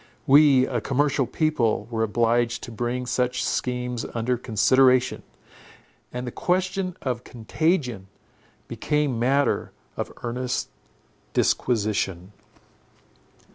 We, a commercial people, were obliged to bring such schemes under consideration; and the question of contagion became matter of earnest disquisition.